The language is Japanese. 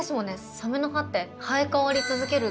サメの歯って生え変わり続けるって。